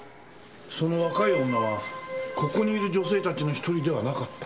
その若い女はここにいる女性たちの一人ではなかった？